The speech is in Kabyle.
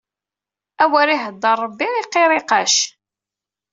Awer iḥeddar Ṛebbi i qiriqac.